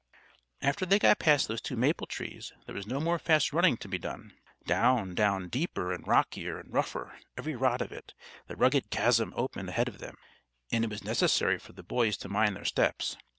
After they got past those two maple trees there was no more fast running to be done. Down, down, deeper and rockier and rougher every rod of it, the rugged chasm opened ahead of them, and it was necessary for the boys to mind their steps.